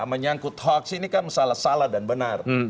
menyangkut hoax ini kan salah salah dan benar